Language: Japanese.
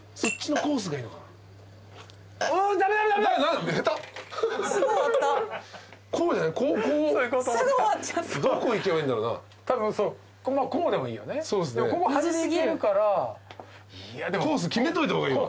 コース決めといた方がいいわ。